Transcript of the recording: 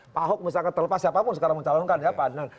pak hock misalkan terlepas siapapun sekarang mencalonkan ya pandang